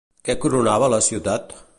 Què coronava la ciutat?